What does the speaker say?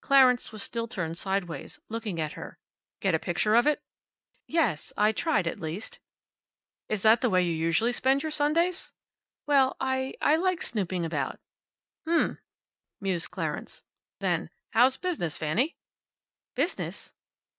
Clarence was still turned sideways, looking at her. "Get a picture of it?" "Yes. I tried, at least." "Is that the way you usually spend your Sundays?" "Well, I I like snooping about." "M m," mused Clarence. Then, "How's business, Fanny?" "Business?"